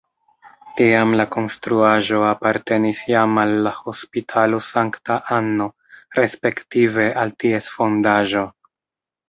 Tiam la konstruaĵo apartenis jam al la Hospitalo Sankta Anno respektive al ties fondaĵo.